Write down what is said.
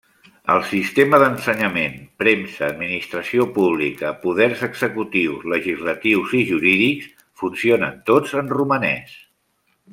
El sistema d'ensenyament, premsa, administració pública, poders executius, legislatius i jurídics funcionen tots en romanès.